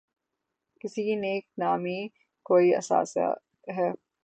کسی کی نیک نامی کوئی اثاثہ ہے۔